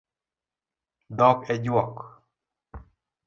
Dhok e juok